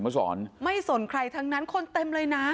มาสอนไม่สนใครทั้งนั้นคนเต็มเลยนะ